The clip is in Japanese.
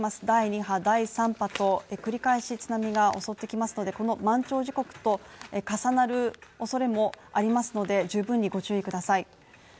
第２波第３波と繰り返し津波が襲ってきますのでこの満潮時刻と重なる恐れもありますので十分にご注意ください。